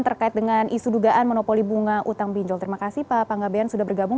terkait dengan isu dugaan monopoli bunga utang pinjol terima kasih pak panggabean sudah bergabung